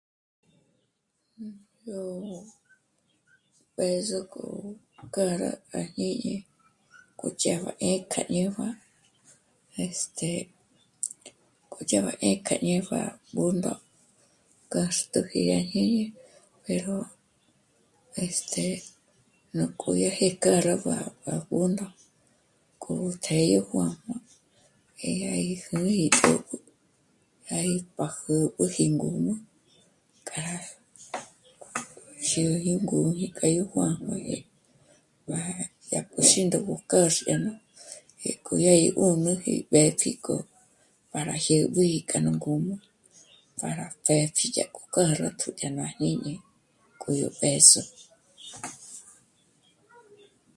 Yó b'ë̌zo k'o k'á rá à jñíñi kjoch'á rá 'é'e k'a ñéjua este... k'o yá b'a 'éjk'e ñéjua à Bṓndo kâxtjoji à jñíñi pero... este... nú k'óyáji k'â rí à Bṓndo k'o tê'e yó juā́jmā eh... yá gí k'o... yá gí pàjü k'o jí ngǔm'ü kjâ rá jyégí ngǔmi para yó juā́jmāgé... bá gí xíndó k'o kêxjye nú jék'o yá gí 'úndoji mbépji k'o para jyéb'eji k'a nú ngǔm'ü para pë́pji yá k'u 'ä́rätju k'a jñíñi k'o yó b'ë̌zo